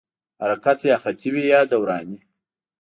حرکت یا خطي وي یا دوراني.